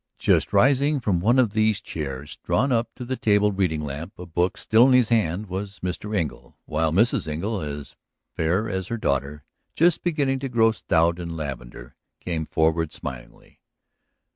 Just rising from one of these chairs drawn up to the table reading lamp, a book still in his hand, was Mr. Engle, while Mrs. Engle, as fair as her daughter, just beginning to grow stout in lavendar, came forward smilingly.